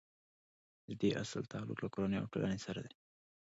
د دې اصل تعلق له کورنۍ او ټولنې سره دی.